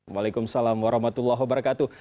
waalaikumsalam warahmatullahi wabarakatuh